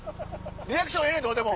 リアクションええねんどうでも。